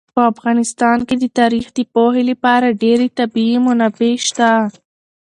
په افغانستان کې د تاریخ د پوهې لپاره ډېرې طبیعي منابع شته دي.